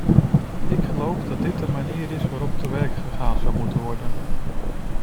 Ik geloof dat dit de manier is waarop te werk gegaan zou moeten worden.